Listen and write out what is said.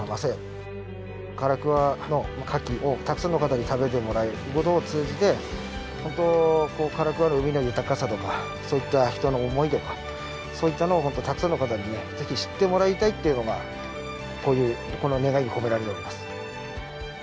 唐桑のカキをたくさんの方に食べてもらえるってことを通じて唐桑の海の豊かさとかそういった人の思いとかそういったのをたくさんの方に知ってもらいたいっていうのがこの願いに込められております。